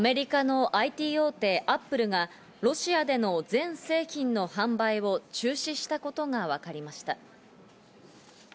アメリカのＩＴ大手Ａｐｐｌｅがロシアでの全製品の販売を中止したことがわかりました。